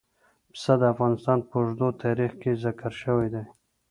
پسه د افغانستان په اوږده تاریخ کې ذکر شوی دی.